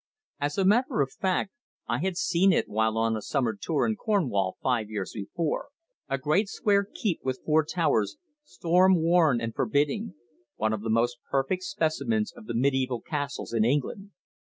As a matter of fact, I had once seen it while on a summer tour in Cornwall five years before, a great square keep with four towers, storm worn and forbidding one of the most perfect specimens of the mediæval castles in England.